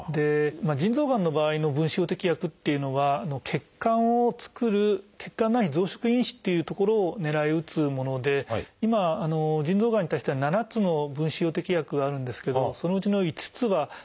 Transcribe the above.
腎臓がんの場合の分子標的薬っていうのは血管を作る「血管内皮増殖因子」という所を狙い撃つもので今腎臓がんに対しては７つの分子標的薬があるんですけどそのうちの５つは血管を標的としたものです。